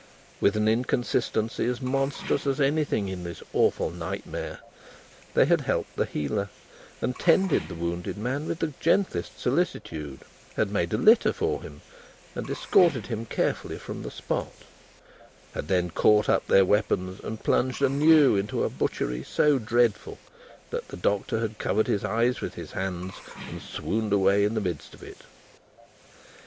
With an inconsistency as monstrous as anything in this awful nightmare, they had helped the healer, and tended the wounded man with the gentlest solicitude had made a litter for him and escorted him carefully from the spot had then caught up their weapons and plunged anew into a butchery so dreadful, that the Doctor had covered his eyes with his hands, and swooned away in the midst of it.